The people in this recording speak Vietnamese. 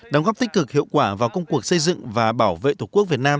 đóng góp tích cực hiệu quả vào công cuộc xây dựng và bảo vệ tổ quốc việt nam